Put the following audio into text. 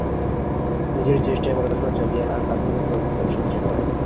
নিজের চেষ্টায় পড়াশোনা চালিয়ে আর কাজের মাঝে অভিজ্ঞতা সঞ্চয় করেন।